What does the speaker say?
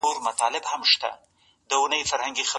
زه به درسمه په لپه منګی ورو ورو ډکومه